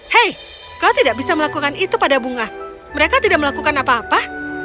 hei kau tidak bisa melakukan itu pada bunga mereka tidak melakukan apa apa